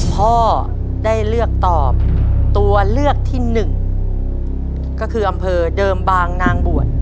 พ่อได้เลือกตอบตัวเลือกที่หนึ่งก็คืออำเภอเดิมบางนางบวช